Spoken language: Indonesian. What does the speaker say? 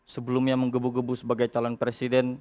sebelumnya menggebu gebu sebagai calon presiden